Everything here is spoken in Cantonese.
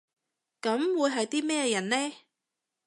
噉會係啲咩人呢？